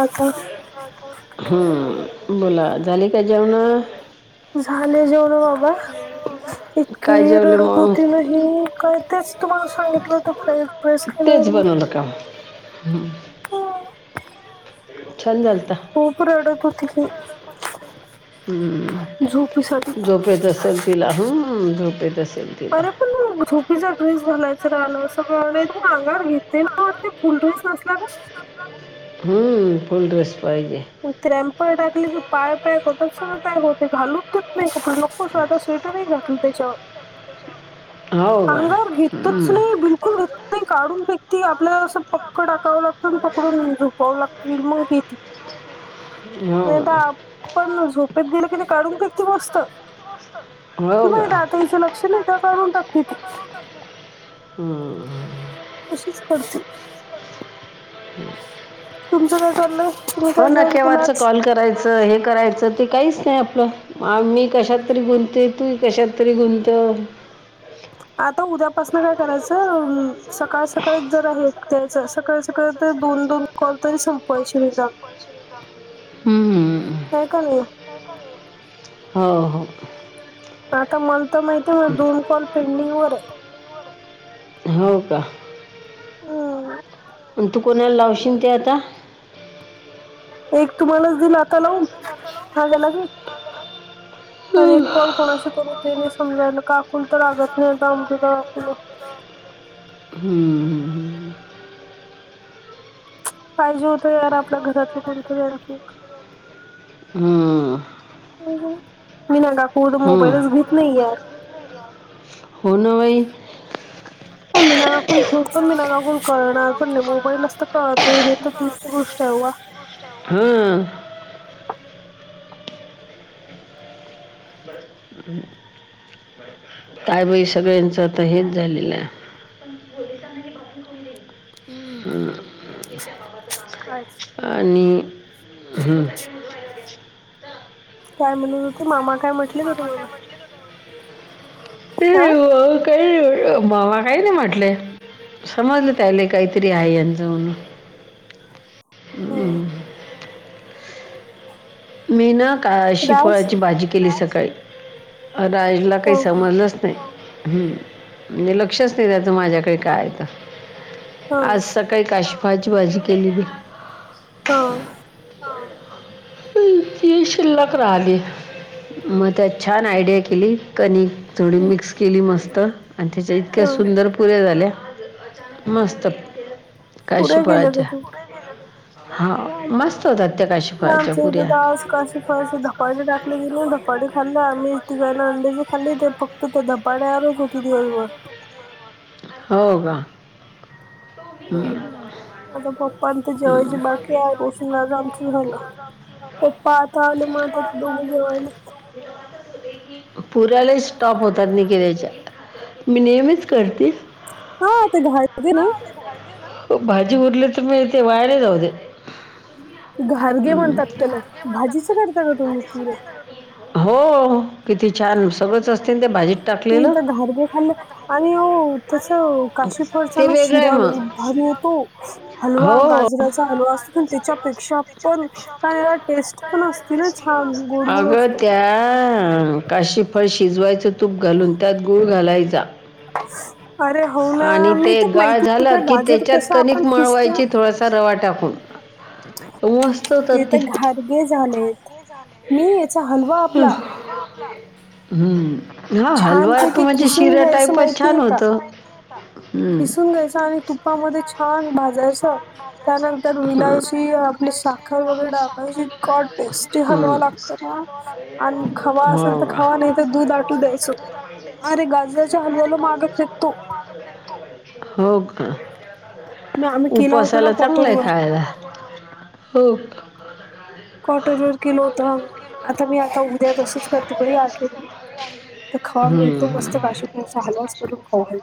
आता... हं... बोला झाली का जेवणं? झाले जेवणं बाबा. इतकी रडत होती ना ही काय तेच तुम्हांला सांगितलं तर फय रसक ना तुही मका ह... हो... खूप रडत होती ही. हु... झोपेत असल. तिला हू... झोपेत असेल तिला. पण मग झोपीचा ड्रेस घालायचा राहिलं, सगळं नाही मग अंगावर घेते ना ते फुल ड्रेस नसला का. हूं... फुल ड्रेस पाहिजे. क्रॅम्पर टाकले पाय पॅक होत. सगळें पॅक होते घालूच नाही नको आता स्वी तरी घातलं त्याच्यावर अंगावर घेतच नाही. बिल्कुल घात नाही काढून फेकती आपल्याला असं पक्क टाकावं लागतं आणि पकडून झोपाव लागत मग घेती. किंवा दाबताना झोपत गेलं की नाही काढून फेकती मस्त तुला रात्रीच लक्ष नाहीतर काढून टाकती ती. हम. अशीच करते. तुमचं काय काम नाही. हो ना केव्हाच कॉल करायचं. हे करायचं. ते काहीच नाही आपलं मी कशात तरी गुंतते ती कशात तरी गुंत आता उद्या पासन काय करायचं. सकाळ सकाळी जरा हे प्यायच. सकाळ सकाळी दोन दोन कॉल तरी संपवायची वेगात होय की नाही. हो हो. आता मला तर माहिती आहे. दोन कॉल पेंडिंग वर आहे. हो का. हम. तू कोणाला लावशील ते आता? एक तुम्हालाच दिला आता लावून ह्यागाला घे. आणि कॉल कोणाशी करू ते नाही समजायला का? कोण तर लागत नाही. काम केलं आपलं. हम्म हम्म. पाहिजे होतं. यार आपल्या घरात कोणतरी आणखी एक. हम. मी ना मी कोणाकडून मोबाईलच घेत नाही यार. होय. [inaudible] पण मीना काकून ख पण मीना काकून कळणार पण नाही. मोबाईलच तर कळत नाही हे तर दूरची गोष्ट आहे बुवा. हम. [unintelligible] काय बई सगळ्यांचं आता हेच झालेलं आहे. हम्म. अच्छा. आणि हम. काय म्हणत होत मामा काय म्हटले का तुम्हाला? ते काय काही मामा काही नाही म्हटले. समजलं त्यायले काहीतरी आहे यांचं म्हणून हम्. मी ना काशी फळाची भाजी केली सकाळी. आग एक हिला काही समजलंच नाही. हम् म्हने लक्षच नाही द्यायचं माझ्याकडे काय तर आज स काही काशी फळाची भाजी केली बी. हो. ते ती शिल्लक राहिली. मग त्यात छान आयडिया केली कनिक थोडी मिक्स केली मस्त आणि त्याच्या इतक्या सुंदर पुऱ्या झाल्या. मस्त काशी फळाच्या. [inaudible] हा मस्त होतात त्यातअशी. व आमच्या इथं [unintelligible] [unintelligible] असं धपाटे टाकले तिनी, धपाटे खाल्ले आमी तिघानं आनलेले खाल्ले ते फक्त त ते धापट्यावरच होती दिवसभर. हो का? [inaudible] आता पप्पांचं जेवायचे बाकी आय, [unintelligible] आमची झाला. पप्पा काले मातात दोघं जेवालेत. [inaudible] पुरियाही स्टॉप होतात निके त्याच्या. मी नेहमीच करते. हा ते [inaudible] [inaudible] भाजी उरले तर मी ते वाया नाही जाऊ दे घारघे म्हणतात त्यालं, भाजीचं करता का तुमही पुरे? हो, किती छान सगळंच असते ते भाजी तुमते घारगे खाल्ले? आणि ओ तसं काशीफळ? [unintelligible] शीरा लई भारी य्येतो, हलवा, गाजराचा हलवा असतो की नै त्याच्यापेक्षा त्याच्यापेक्षा [inaudible] टेस्टी [inaudible] अगं त्या काषीफळ शिजवायचं तूप घालून त्यात गुळ घालायचा स्ख. अरे हौना, मी तक माहितीत का गाजर कसा आपण खिचतो? ते तर घारगे झालेत. मी याचा हलवा आपला हं हा हालवा त म्हणजे शिऱ्या टाईपच छान होतं. खिसून घ्यायचं आणि तुपामध्ये छान भाजायचं, त्यानंतर विलायची आ ली साखर वगरे टाक्कायची, इतका टेस्टी हलवा लागतो ना? आणि खवा असंल तर खवा नाही त दूध आटू द्यायचो, अरे गाजराचा हलवाला मागं फेकतो. [inaudible] हो क्का? उपासाला चांगलंय खायला. हो. कॉटरवर केलंवतं आम, आता मी आता उद्या तसंच करते गरी आठवून. तर खवा मिळतो, मस्त काशीफळचा हलवाच करून खाऊ घाल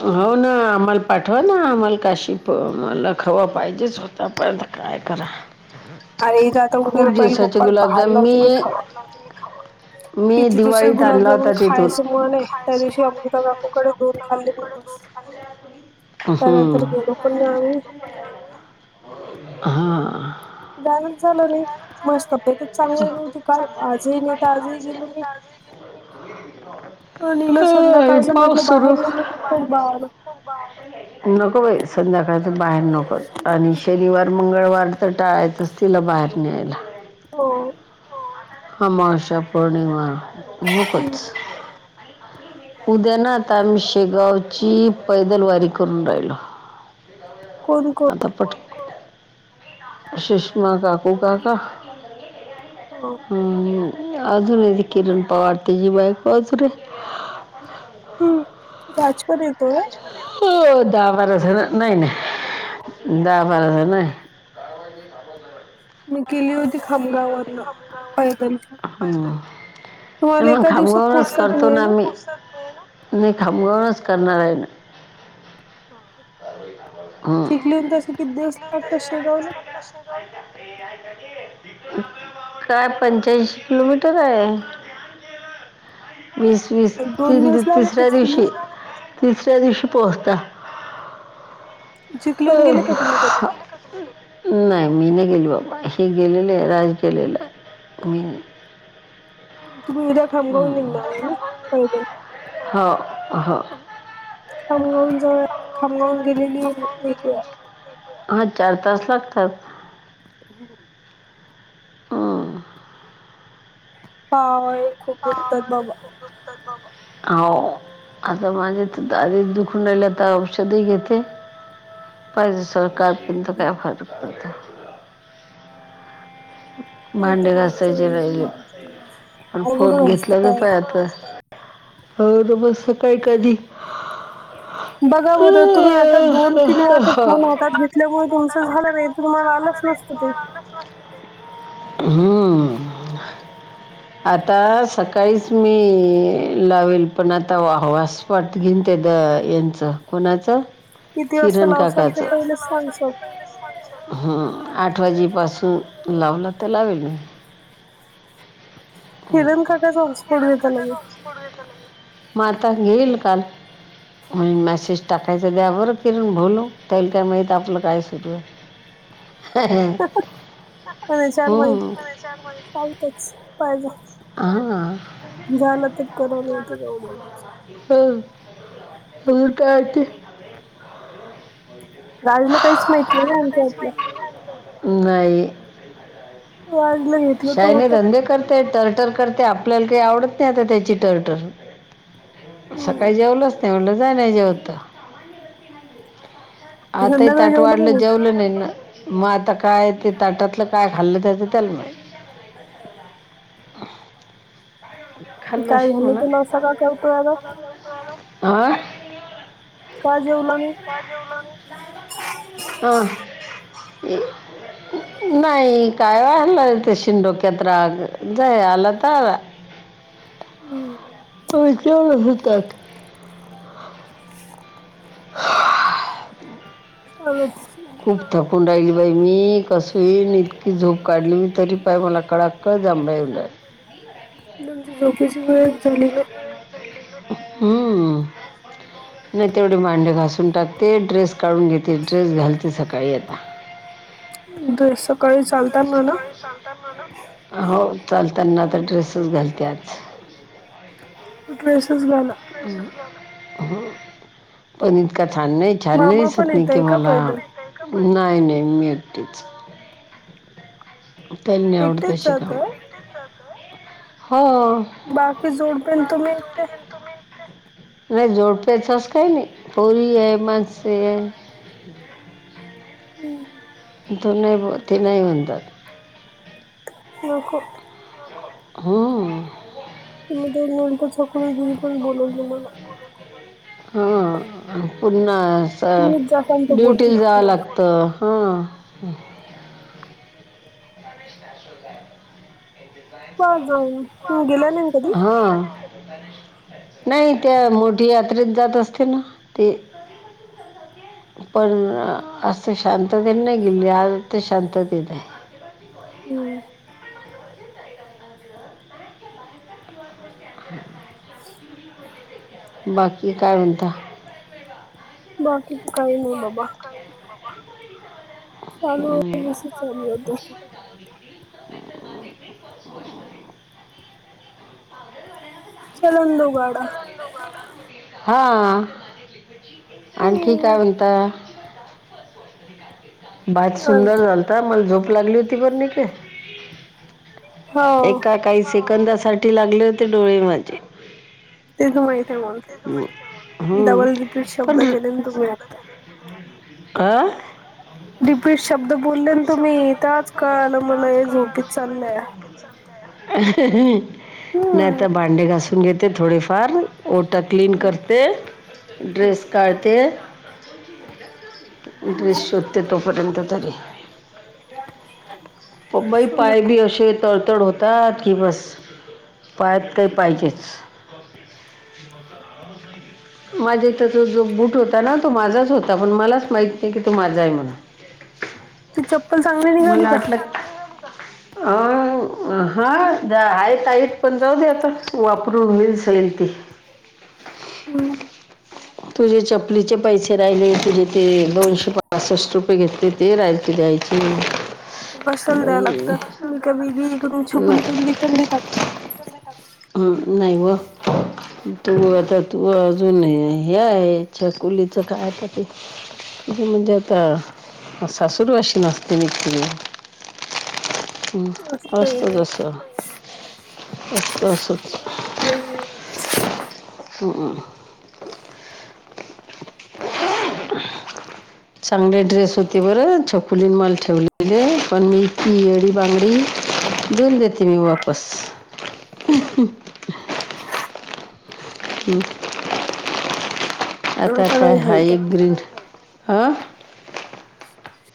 हौ ना, आम्हाला पाठवा ना, आम्हाला काशी प ल मला खवा पाहिजेच होता पण काय करा? अरे इथं आता उद्याला पहिले पप्पाला पाहाल लावते मी खवा. किती दिवसात गुलाबजामुन खायाचं मनय, त्या दिवशी अमृता काकूकडे दोन खाल्ली म बस, त्यानंतर गेलो पन् नाई का [inaudible] आअ - जानच झालं नाही, माझ तब्येतच चांगली नव्हती काल, आजही नाई त आजही गेलो नाई. [inaudible] अनला संध्याकाळचं म्हटलं बाहेर नेलं नक्कोच बार [inaudible] नको बाई. संध्याकाळचं त बाहेर नकोच आणि शनिवार, मंगळवार तर टाळायचंच तिला बाहेर न्यायला. होओ आमावश्या, पौर्णिमा नकोच उद्या ना आता आम्ही शेगा वची पैदल वारी करून राहिलो. कोन को आ पट सुषमा काकू काका होओ हम्म अजून यी किरण पवार तेजी बायको अजरे हम्म राज पण येतोय. हो दहा बारा जन नाही नाही दहा बारा जन हाय. मी केली होती खामगावरन पैदल मग खामगावरच करतो ना आम्ही नाही खामगावरच करणार आहे ना, चिकली हुन तस किती दिवस लागतात शेगावला? शेगावला, काय पंच्याऐंशी किलोमीटर आहे. वीस वीस तीन तिसऱ्या दिवशी तिसऱ्या दिवशी पोहोचता. हो नाही मी नाही गेली बाबा हे गेलेले राज गेलेला मी नाही. तुम्ही उद्या खांमगवून निघणार आहे ना पैदल? हो हो. खामगाव जवळ हाय खमगावन गेलेली [unintelligible] हा चार तास लागतात. हम् पावळे, पवळे, [inaudible] हाव आता माझे आध दुखून आहिला तर औषध घेते. [unintelligible] सरकार पंत काय फरक [unintelligible] भांडे घासायचे राहिले पण फोन घेतलाच [unintelligible] आता हो तर मस्त [unintelligible] कधी, बघा बरं तुम्ही आता दोन किलो आता फोन होतात घेतल्यामुळे तुमचं झालं र तु मला आला नस्ते ते, हम्म [inaudible] आता सकाळीच मी लावेल पण आता वाहवास स्ट घेन त्या द यांच कोणाचं किती वाजता लावशल ते पहिलेच सांगाचल ह आठ वाजेपासून लावलं तर लावेल मी. किरण काटाचा हॉटस्पॉट घेता ना मग मग आता घेईल काल म्ह मॅसेज टाकायचं द्या बरं किरण बोलू त्याल काय माहीत आपलं काय सुरू हाय. [inaudible] [unintelligible] चालतच पाहिजे झाला तर कराल नाहीतर जाऊ द्यायचं. [unintelligible] नाही आवाज नाही येत. शायनी धंदे करते टटर करते आपल्याला काही आवडत नाही आता त्याची टर्टर. सकाळी जेवलच नाही म्हटलं जा नाही जेवत तर. आता ही ताट वाडलं जेवलं नाही ना मग आता का काय ते ताटातलं काय खाल्लं त्याचं त्याला माहित. काय झालं त ना असा का करतोय आग. आ! का जेवला नही? [unintelligible] नाही काय [unintelligible] ते शिंन डोक्यात राग जाय आला त आला. [inaudible] [unintelligible] [inaudible] [inaudible] [unintelligible] खूप थकून राहिली बाई मी, कस होईन इतकी झोप काढली मी तरी पाय मला कळाकळ जांभया येऊन रा तुमची झोपेची वेळच झाली नां. हूं! नही तेवढे मांडे घासून टाकते, ड्रेस काढून घेते, ड्रेस घालते सकाळी आता. ड्रेस सकाळीच. सकाळी सांगताल माला, हो चालतांना आतां ड्रेसच घालते आज. ड्रेसस घाला. पन इतका छान नही. छान नही दिसत नही की मला नाही नाही मी एकटीच. त्यानी आवडते शिकाव हो! बाकी जोडपे न तुम्ही एकट्या? नाही जोडपे च अस काय नाही पोरी हे माणसं हे. हूं! तु नाही बॉ ते नाही म्हणतात. हूहू! हूं! [unintelligible] ह पुन्हा स ड्युटीला जावं लागतं हं! पा जाऊन. हा! नाही त्या मोठी यात्रेत जात असते ना ते. पण अस शांततेन नाही गेले, आज ते शांततेत आहे. हू! [unintelligible] [inaudible] बाकी काय म्हणता. बाकी त काही नाही बाबा. चालू होत ए सी चालू होतं. [unintelligible] हा आणखी काय म्हणता? भात सुंदर झालता मल झोप लागली होती बर नी के. एका काही सेकंदासाठी लागले होते डोळे माझे. हू पण री आं! [inaudible] रिपीट शब्द बोललेन तुम्ही इताच कळालं मला हे झोपेत चाललंय. नाही आता भांडे घासून घेते थोडी फार ओटा क्लीन करते, ड्रेस काढते ड्रेस शोधते तोपर्यंत तरी पपई पाय बी असे तडतड होतात की बस पायात काही पाहिजेच. [inaudible] माझ्या इथ तो जो बूट होता ना तो माझाच होता पण मलाच माहित नाही की तो माझा आहे म्हनू ती चप्पल चांगली निघाली का? अ हा दया हाईत टाईट पण जाऊ दे आता वापरून होईल सईल ती हम्म तुझे चपलीचे पैसे राहिले तुझे ते दोनशे पासष्ट रुपये घेतले देर आत दयायची बाई कशाला द्याय लागतं नाही [unintelligible] ह नाही व तू आता तू अजून हे आहे छकुलीचं काय आता ते त म्हणजे आता सासुरवाशीन असते मी [unintelligible] असतंच असं [unintelligible] हम्म [unintelligible] चांगले ड्रेस होते बरं छकुलीन मला ठेवलेले पण मी पि येडी बांगडी देऊन देते मी वापस [inaudible] हम्म आता काय हाई ग्रीन हं [inaudible]